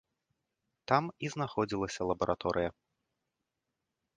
Там і знаходзілася лабараторыя.